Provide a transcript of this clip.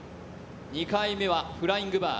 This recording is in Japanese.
２回目はフライングバー。